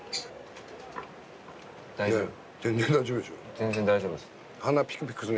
全然大丈夫でしょ。